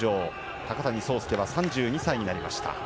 高谷惣亮は３２歳になりました。